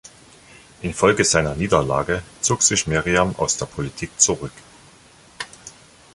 Infolge seiner Niederlage zog sich Merriam aus der Politik zurück.